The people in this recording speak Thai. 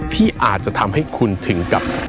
ที่อาจจะทำให้คุณถึงกับ